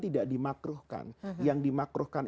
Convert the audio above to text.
tidak dimakruhkan yang dimakruhkan